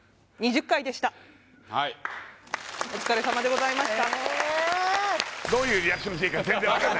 はいお疲れさまでございました